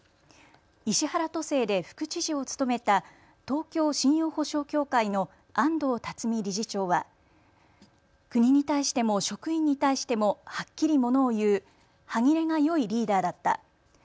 石原都政で副知事を務めた東京信用保証協会の安藤立美理事長は国に対しても職員に対してもはっきりものを言う歯切れがよいリーダーだった。